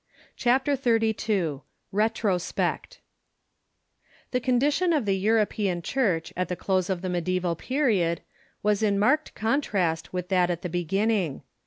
CHAPTER XXXII RETROSPECT The condition of the European Church at the close of the medieval period was in marked contrast with that at the be srinnincf.